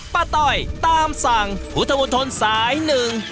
ต้อยตามสั่งพุทธมนตรสายหนึ่ง